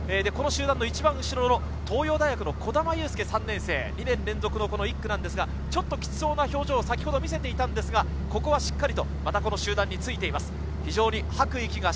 この集団の一番後ろ、東洋大が児玉悠輔３年生、２年連続１区ですが、ちょっとキツそうな表情を先ほど見せていましたが、ここはしっかりとまた集団についています。